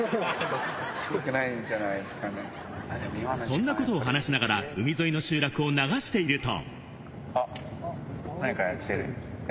そんなことを話しながら海沿いの集落を流していると。